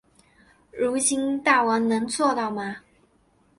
如今大王能做到吗？